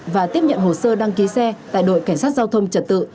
và tiếp nhận hồ sơ đăng ký xe tại đội cảnh sát giao thông trật tự